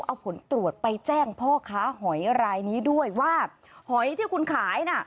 เอาผลตรวจไปแจ้งพ่อค้าหอยรายนี้ด้วยว่าหอยที่คุณขายน่ะ